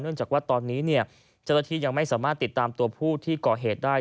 เนื่องจากว่าตอนนี้เจษฐียังไม่สามารถติดตามตัวผู้ที่ก่อเหตุได้